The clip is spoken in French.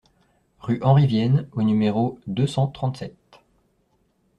Rue Henri Vienne au numéro deux cent trente-sept